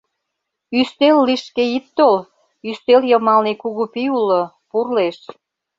Ӱстел лишке ит тол... ӱстел йымалне кугу пий уло — пурлеш...